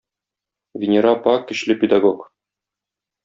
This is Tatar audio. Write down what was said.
Венера апа - көчле педагог.